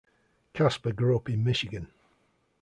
Kasper grew up in Michigan.